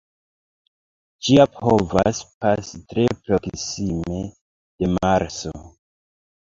Ĝia povas pasi tre proksime de Marso.